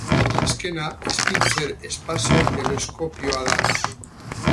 Azkena Spitzer espazio teleskopioa da.